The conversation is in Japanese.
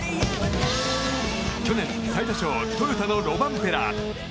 去年最多勝トヨタのロバンペラ。